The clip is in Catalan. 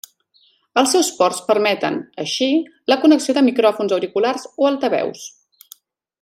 Els seus ports permeten, així, la connexió de micròfons, auriculars o altaveus.